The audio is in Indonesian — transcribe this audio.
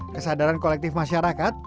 kesadaran kolektif masyarakat